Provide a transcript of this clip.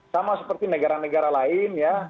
sama seperti negara negara lain ya